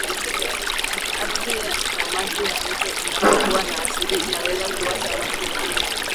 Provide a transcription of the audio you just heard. Ardhi na maji ya mito inapokuwa na asidi inaweza kuua samaki na